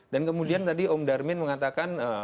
dan kemudian tadi om darmin mengatakan